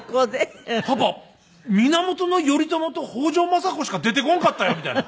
「パパ源頼朝と北条政子しか出てこんかったよ」みたいな。